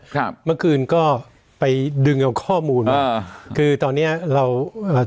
ครับเมื่อคืนก็ไปดึงเอาข้อมูลมาอ่าคือตอนเนี้ยเราอ่า